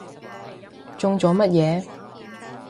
中咗乜嘢？